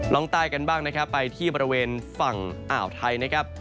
ลองใต้กันบ้างนะครับไปที่บริเวณฝั่งอ่าวไทยนะครับ